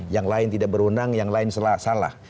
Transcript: yang lain tidak berwenang yang lain salah